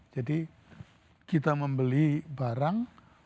jadi kita membeli barang